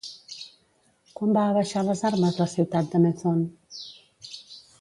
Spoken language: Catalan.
Quan va abaixar les armes la ciutat de Methone?